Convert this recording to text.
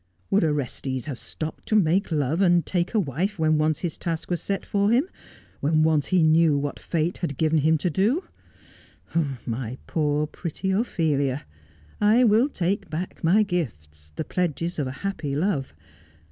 "Would Orestes have stopped to make love and take a wife when once his task was set for him— when once he knew what fate had given him to do ? Oh, my poor, pretty Ophelia, I will take back my gifts, the pledges of a happy love.